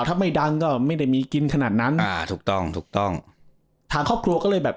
ถ้าไม่ดังก็ไม่ได้มีกินขนาดนั้นอ่าถูกต้องถูกต้องทางครอบครัวก็เลยแบบ